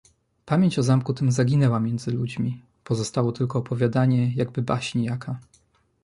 "Pamięć o zamku tym zaginęła między ludźmi, pozostało tylko opowiadanie, jakby baśń jaka."